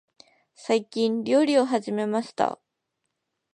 最近、料理を始めました。